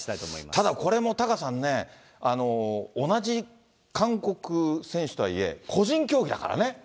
ただこれもタカさんね、同じ韓国選手とはいえ、個人競技だからね。